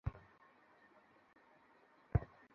তাকে আবেদন করতে বলো।